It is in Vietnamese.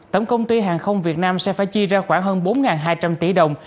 tổng công ty hàng không việt nam sẽ phải chi ra khoảng hơn bốn hai trăm linh tỷ đồng